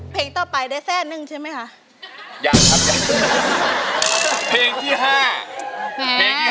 เพลงต่อไปได้แซ่นหนึ่งใช่ไหมคะ